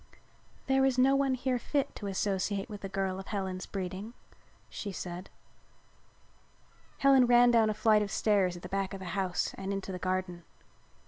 "There is no one here fit to associate with a girl of Helen's breeding," she said. Helen ran down a flight of stairs at the back of the house and into the garden.